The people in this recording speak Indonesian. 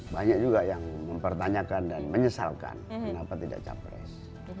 banyak juga yang mempertanyakan dan menyesalkan kenapa tidak capres